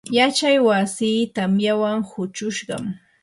yachay wasii tamyawan huchushqam.